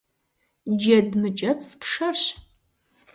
Джэд мыкӀэцӀ пшэрщ.